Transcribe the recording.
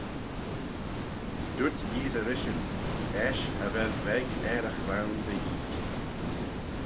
Dooyrt Yeesey rishyn, eisht cha vel veg er y chloan dy eeck.